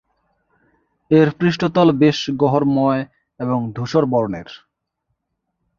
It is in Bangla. এর পৃষ্ঠতল বেশ গহ্বরময় এবং ধূসর বর্নের।